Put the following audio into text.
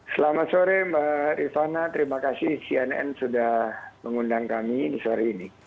selamat sore mbak rifana terima kasih cnn sudah mengundang kami sore ini